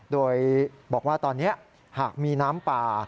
โดยบอกว่าตอนนี้หากมีน้ำป่า